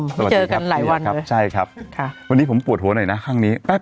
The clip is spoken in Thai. ไม่เจอกันหลายวันเลยใช่ครับค่ะวันนี้ผมปวดหัวหน่อยนะข้างนี้